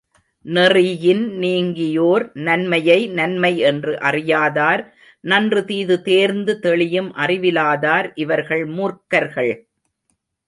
நெறியின் நீங்கியோர், நன்மையை நன்மை என்று அறியாதார், நன்று தீது தேர்ந்து தெளியும் அறிவிலாதார் இவர்கள் மூர்க்கர்கள்!